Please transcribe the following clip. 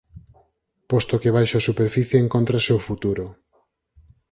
Posto que baixo a superficie encontrase o futuro.